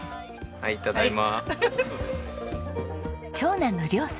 はいただいま。